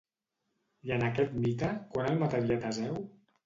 I en aquest mite, quan el mataria Teseu?